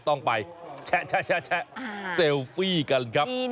ต้องไปแชะเซลฟี่กันครับ